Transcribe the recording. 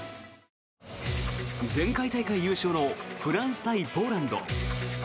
前回大会優勝のフランス対ポーランド。